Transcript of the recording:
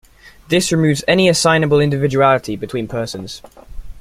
This removes any assignable individuality between persons.